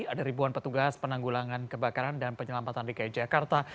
ada ribuan petugas penanggulangan kebakaran dan penyelamatan dki jakarta